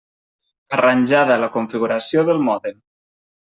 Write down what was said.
Arranjada la configuració del mòdem.